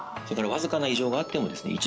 それからわずかな異常があってもですね